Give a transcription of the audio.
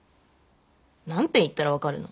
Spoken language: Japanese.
何べん言ったらわかるの？